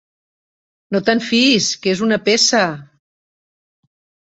No te'n fiïs, que és una peça!